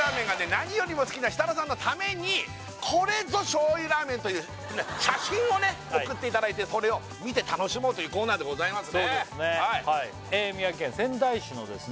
何よりも好きな設楽さんのためにこれぞ醤油ラーメンという写真をね送っていただいてそれを見て楽しもうというコーナーでございますね宮城県仙台市のですね